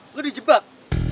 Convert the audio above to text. lo di jebak